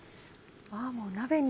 もう鍋に。